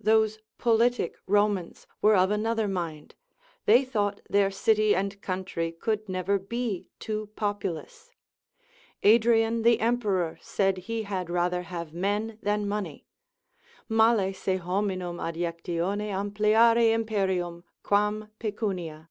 Those politic Romans were of another mind, they thought their city and country could never be too populous. Adrian the emperor said he had rather have men than money, malle se hominum adjectione ampliare imperium, quam pecunia.